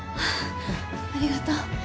ありがとう。